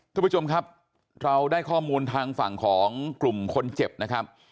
คุณผู้ชมครับเราได้ข้อมูลทางฝั่งของกลุ่มคนเจ็บนะครับ